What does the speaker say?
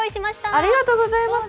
ありがとうございます。